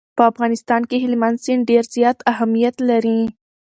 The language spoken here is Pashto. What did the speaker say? په افغانستان کې هلمند سیند ډېر زیات اهمیت لري.